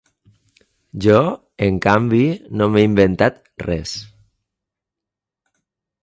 Jo, en canvi, no m'he inventat res.